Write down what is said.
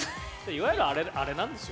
いわゆるあれなんですよ